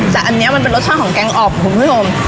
จากอันนี้มันเป็นรสชาติของแกงออกผูกไหม่นม